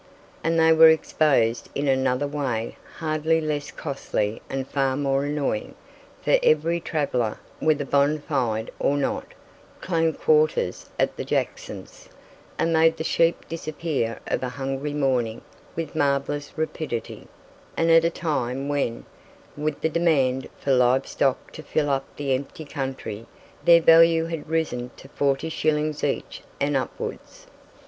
And they were exposed in another way hardly less costly and far more annoying; for every "traveller," whether bond fide or not, claimed quarters at the Jacksons', and made the sheep disappear of a hungry morning with marvellous rapidity, and at a time when, with the demand for live stock to fill up the empty country, their value had risen to 40 shillings each and upwards.